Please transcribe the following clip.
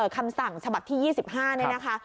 คำสั่งฉบับที่๒๕นี่นะคะ